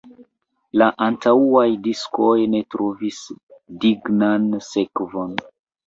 La antaŭaj diskoj ne trovis dignan sekvon.